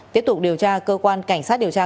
tiếp tục điều tra cơ quan cảnh sát điều tra